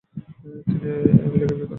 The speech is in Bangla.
তিনি এমিলাকে বিয়ে করেন।